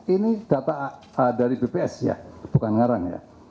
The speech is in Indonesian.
ini data dari bps ya bukan ngarang ya